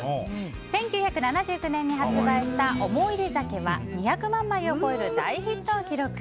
１９７９年に発売した「おもいで酒」は２００万枚を超える大ヒットを記録。